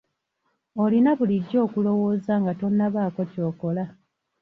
Olina bulijjo okulowooza nga tonnabaako ky'okola.